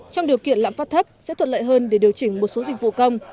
trong điều kiện lạm phát thấp sẽ thuận lợi hơn để điều chỉnh một số dịch vụ công